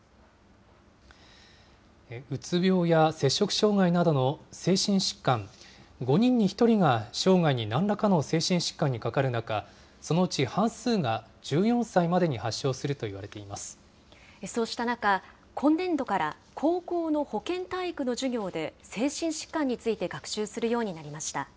うつ病や摂食障害などの精神疾患、５人に１人が生涯になんらかの精神疾患にかかる中、そのうち半数が、１４歳までに発症するそうした中、今年度から、高校の保健体育の授業で、精神疾患について学習するようになりました。